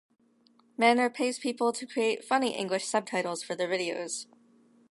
Manner pays people to create funny English subtitles for their videos.